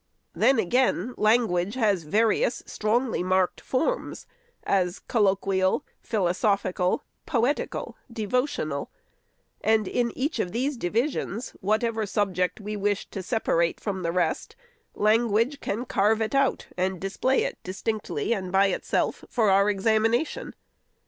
Then, again, language has 534 THE SECRETARY'S various, strongly marked forms, as colloquial, philo sophical, poetical, devotional ; and in each of these divisions, whatever subject we wish to separate from the rest, language can carve it out, and display it distinctly and by itself, for our examination.